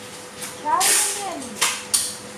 — Чарне, Нелли.